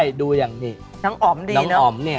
ตบไหมมีตบไหม